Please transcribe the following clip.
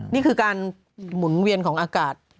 นี่คือการหมุนเวียนของอากาศ